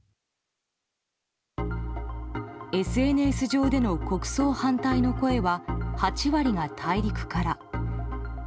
ＳＮＳ上での国葬反対の声は８割が大陸から。